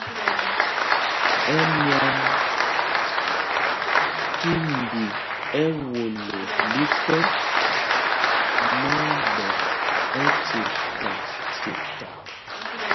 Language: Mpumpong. Ɛmyán tí mbi ɛ́wolo lîk ɛ, má á ɓɛ ɛ́cetaceta.